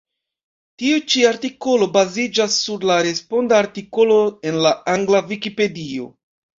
Tiu ĉi artikolo baziĝas sur la responda artikolo en la angla Vikipedio.